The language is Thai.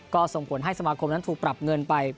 ก็ส่งผลให้สมาคมนั้นถูกปรับเงินไป